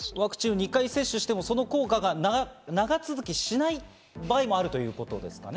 ２回接種しても効果が長続きしない場合もあるということですかね？